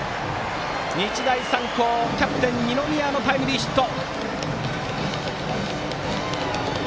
日大三高、キャプテン二宮のタイムリーヒット！